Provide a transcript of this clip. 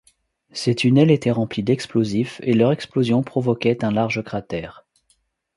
Ces tunnels étaient remplis d'explosifs et leur explosion provoquait un large cratère.